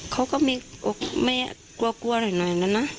เขาก็ไม่กลัวกลัวหน่อยหน่อยนะนะ